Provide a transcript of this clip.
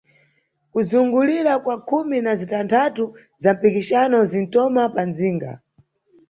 Kuzungulira kwa khumi na zitanthatu za mpikixano zintoma pa mʼdzinga.